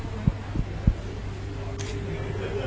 ขอบคุณครับ